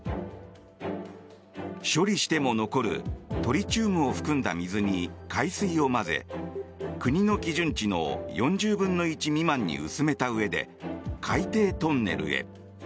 処理しても残るトリチウムを含んだ水に海水を混ぜ国の基準値の４０分の１未満に薄めたうえで海底トンネルへ。